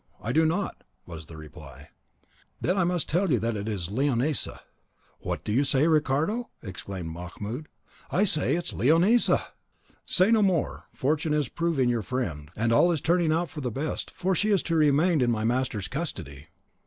I do not," was the reply. "Then I must tell you that it is Leonisa." "What do you say, Ricardo?" exclaimed Mahmoud. "I say it is Leonisa." "Say no more; fortune is proving your friend, and all is turning out for the best, for she is to remain in my master's custody."